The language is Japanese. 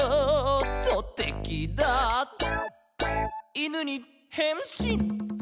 「『いぬ』にへんしん」